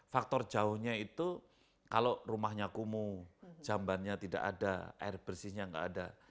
faktor jauhnya itu kalau rumahnya kumuh jambannya tidak ada air bersihnya nggak ada